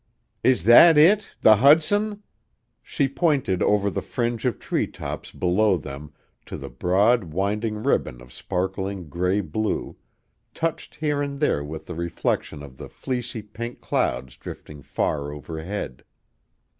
"Is that it; the Hudson?" She pointed over the fringe of treetops below them to the broad, winding ribbon of sparkling gray blue, touched here and there with the reflection of the fleecy pink clouds drifting far overhead.